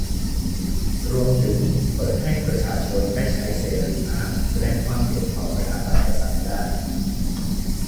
รวมถึงเปิดให้ประชาชน ได้ใช้เสรีภาพแสดงความคิดเห็นต่อสถาบันกษัตริย์ได้